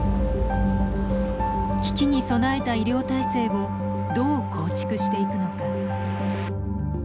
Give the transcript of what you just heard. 危機に備えた医療体制をどう構築していくのか。